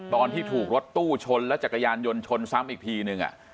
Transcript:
ตอนที่ถูกรถตู้ชนและจักรยานยนต์ชนซ้ำอีกทีนึง